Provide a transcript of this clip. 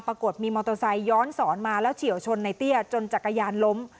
ปรากฏมีมอเตอร์ไซค์ย้อนสอนมาแล้วเฉียวชนในเตี้ยจนจักรยานล้ม